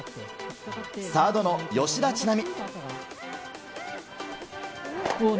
サードの吉田知那美。